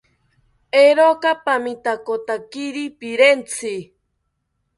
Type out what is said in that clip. Eeroka pamitakotakiri pirentzi